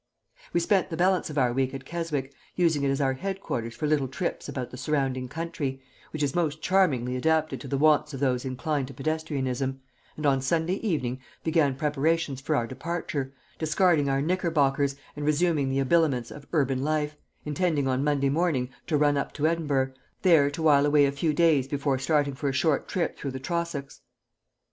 We spent the balance of our week at Keswick, using it as our head quarters for little trips about the surrounding country, which is most charmingly adapted to the wants of those inclined to pedestrianism, and on Sunday evening began preparations for our departure, discarding our knickerbockers and resuming the habiliments of urban life, intending on Monday morning to run up to Edinburgh, there to while away a few days before starting for a short trip through the Trossachs.